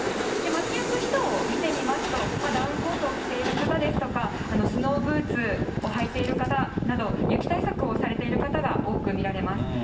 街行く人を見てみますと、ダウンコートを着ている方ですとか、スノーブーツを履いている方など、雪対策をされている方が多く見られます。